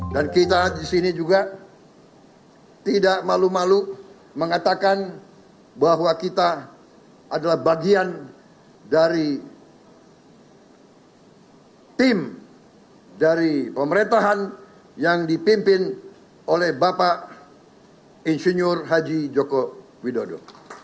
dan kita disini juga tidak malu malu mengatakan bahwa kita adalah bagian dari tim dari pemerintahan yang dipimpin oleh bapak insinyur haji joko widodo